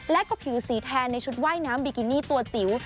และก็ผิวสีแทนในชุดว่ายน้ำบิกินี่ตัวจิ๋ว